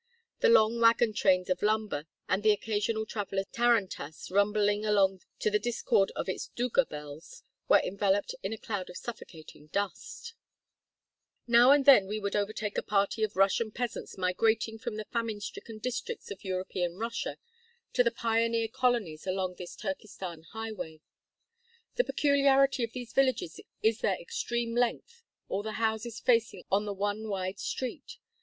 The long wagon trains of lumber, and the occasional traveler's tarantass rumbling along to the discord of its duga bells, were enveloped in a cloud of suffocating dust. VIEW OF CHIMKEND FROM THE CITADEL. IV 115 Now and then we would overtake a party of Russian peasants migrating from the famine stricken districts of European Russia to the pioneer colonies along this Turkestan highway. The peculiarity of these villages is their extreme length, all the houses facing on the one wide street.